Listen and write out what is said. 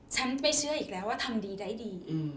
ฉันไม่เชื่ออีกแล้วว่าทำดีได้ดี